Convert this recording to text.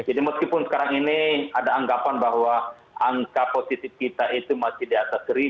jadi meskipun sekarang ini ada anggapan bahwa angka positif kita itu masih di atas seribu